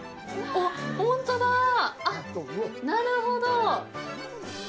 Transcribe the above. あっ、なるほど。